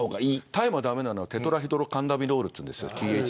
大麻が駄目なのはテトラヒドロカンナビノールっていうんです。